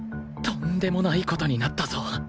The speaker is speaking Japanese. とんでもない事になったぞ